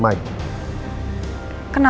kayak di jakarta